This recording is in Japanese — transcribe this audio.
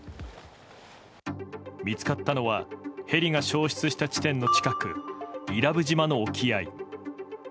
見つかったのはヘリが消失した地点の近く伊良部島の沖合。